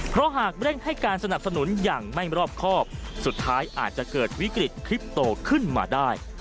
เพราะหากเร่งให้การสนับสนุนอย่างไม่รอบครอบสุดท้ายอาจจะเกิดวิกฤตคลิปโตขึ้นมาได้